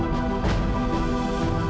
pak aku mau pergi